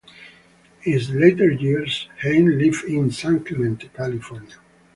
In his later years, Hein lived in San Clemente, California.